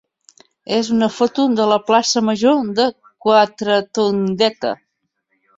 és una foto de la plaça major de Quatretondeta.